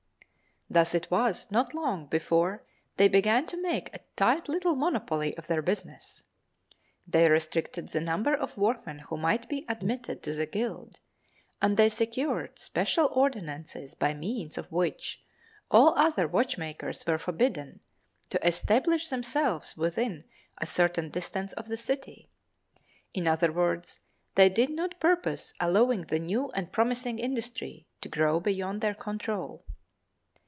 Thus it was not long before they began to make a tight little monopoly of their business. They restricted the number of workmen who might be admitted to the guild, and they secured special ordinances by means of which all other watchmakers were forbidden to establish themselves within a certain distance of the city. In other words, they did not purpose allowing the new and promising industry to grow beyond their control.